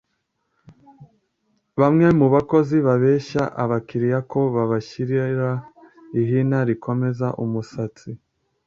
Bamwe mu bakozi babeshya abakiriya ko babashyirira ihina rikomeza umusatsi